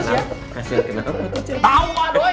tau lah doi